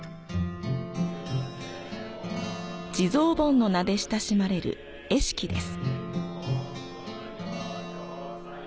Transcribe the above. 地蔵盆の名で親しまれる会式です。